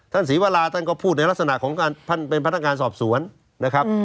ศรีวราท่านก็พูดในลักษณะของการท่านเป็นพนักงานสอบสวนนะครับ